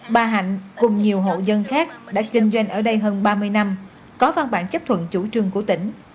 bà hạnh cùng nhiều hộ dân khác đã kinh doanh ở đây hơn ba mươi năm có văn bản chấp thuận chủ trương của tỉnh